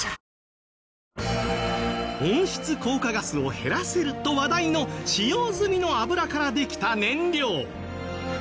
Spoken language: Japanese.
温室効果ガスを減らせると話題の使用済みの油からできた燃料。